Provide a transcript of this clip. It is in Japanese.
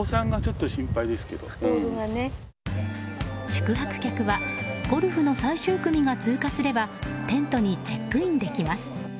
宿泊客はゴルフの最終組が通過すればテントにチェックインできます。